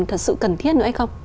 thật sự cần thiết nữa hay không